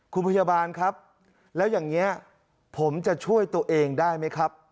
คุณพยาบาลครับแล้วอย่างนี้ผมจะช่วยตัวเองได้ไหมครับ